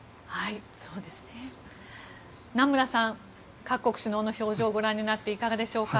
名村さん、各国首脳の表情ご覧になっていかがでしょうか。